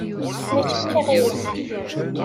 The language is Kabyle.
Mačči akka i ɣileɣ.